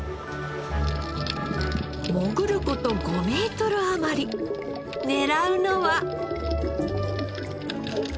潜る事５メートル余り狙うのは。